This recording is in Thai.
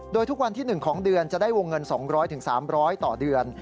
โดยทุกวันที่๑ของเดือนจะได้วงเงิน๒๐๐๓๐๐ต่อเดือน